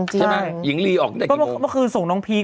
ใช่ไหมหญิงลีออกตั้งแต่กี่โมงค่ะก็เหมือนว่าเค้าเป็นเมื่อคืนส่งน้องพีค